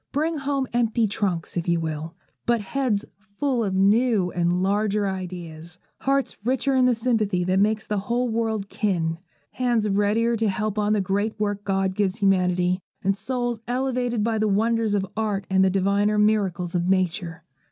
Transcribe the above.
Bring home empty trunks, if you will, but heads full of new and larger ideas, hearts richer in the sympathy that makes the whole world kin, hands readier to help on the great work God gives humanity, and souls elevated by the wonders of art and the diviner miracles of Nature.